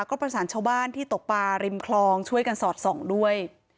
ก็ประสานชาวบ้านที่ตกปลาริมคลองช่วยกันสอดส่องด้วย